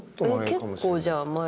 結構じゃあ前。